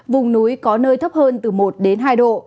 vùng núi có nơi thấp hơn từ một đến hai độ